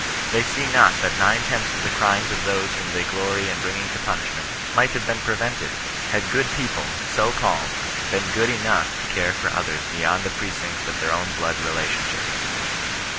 They see not that nine tenths of the crimes of those whom they glory in bringing to punishment might have been prevented, had good people, so called, been good enouoh to care for others beyond the precincts of their own Inood relation ship.